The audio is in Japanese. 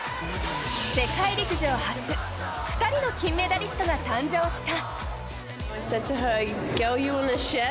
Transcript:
世界陸上初、２人の金メダリストが登場した。